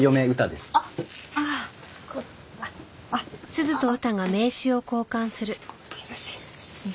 すいません。